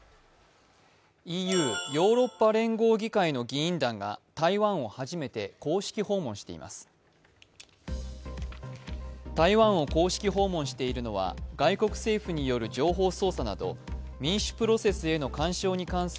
ＥＵ＝ヨーロッパ連合議会の議員団が初めて台湾を公式訪問しています。